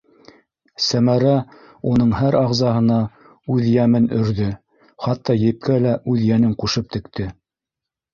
Сәмәрә уның һәр ағзаһына үҙ йәмен өрҙө, хатта епкә лә үҙ йәнен ҡушып текте.